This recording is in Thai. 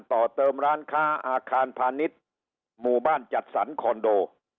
ต่อเติมร้านค้าอาคารพาณิชย์หมู่บ้านจัดสรรคอนโด